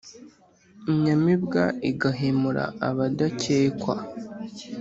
Inyamibwa igahemura abadakekwa